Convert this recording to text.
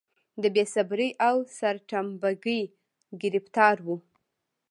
د بې صبرۍ او سرتمبه ګۍ ګرفتار و.